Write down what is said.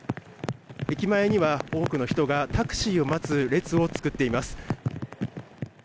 駅前には多くの人がタクシーを待つ列を作っています。